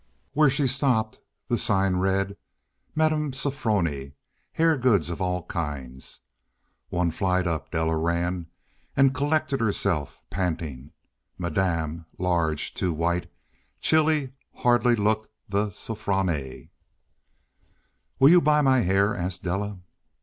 Where she stopped the sign read: "Mme. Sofronie. Hair Goods of All Kinds." One flight up Della ran, and collected herself, panting. Madame, large, too white, chilly, hardly looked the "Sofronie." "Will you buy my hair?" asked Della.